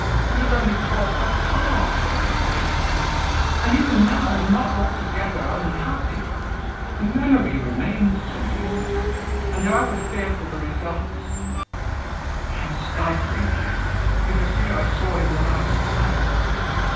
It was only poor papa hoped for it. And even now I am not altogether unhappy; the memory remains to me, and however fearful the results ... I'm stifling here ... it was here I saw him the last time....